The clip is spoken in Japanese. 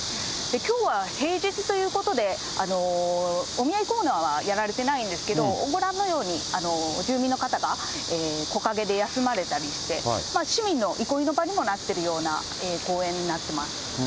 きょうは平日ということでお見合いコーナーはやられてないんですけど、ご覧のように、住民の方が木陰で休まれたりして、市民の憩いの場にもなっているような公園になっています。